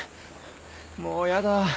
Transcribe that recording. もうやだ。